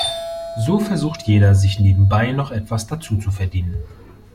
So versucht jeder, sich nebenbei noch etwas dazuzuverdienen.